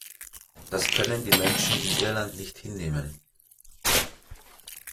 Das können die Menschen in Irland nicht hinnehmen.